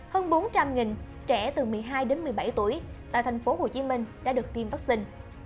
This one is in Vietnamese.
hơn bốn trăm linh trẻ từ một mươi hai đến một mươi bảy tuổi tại thành phố hồ chí minh đã được tiêm vaccine